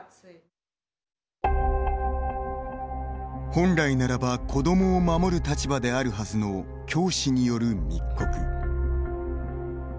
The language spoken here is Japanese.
本来ならば子どもを守る立場であるはずの教師による密告。